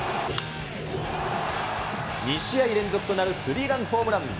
２試合連続となるスリーランホームラン。